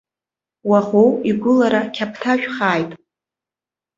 Уаӷоу игәылара қьаԥҭажәхааит.